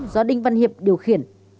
do đinh văn hiệp điều khiển